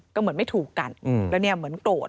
ก็เหมือนไม่ถูกกันแล้วเนี่ยเหมือนโกรธ